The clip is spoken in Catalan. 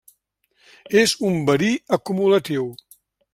És un verí acumulatiu.